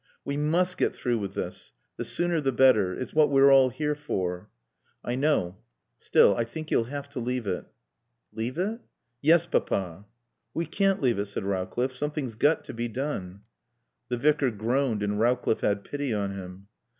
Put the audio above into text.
"We must get through with this. The sooner the better. It's what we're all here for." "I know. Still I think you'll have to leave it." "Leave it?" "Yes, Papa." "We can't leave it," said Rowcliffe. "Something's got to be done." The Vicar groaned and Rowcliffe had pity on him.